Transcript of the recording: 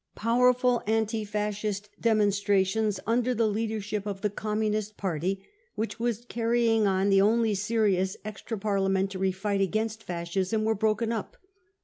Powerful anti Fascist demonstrations under the leadership of the % Communist Party, which was carrying on the* only serious extra parliamentary fight against Fascism, were broken up.